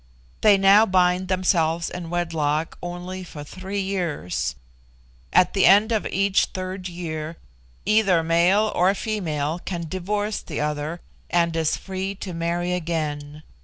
They now bind themselves in wedlock only for three years; at the end of each third year either male or female can divorce the other and is free to marry again.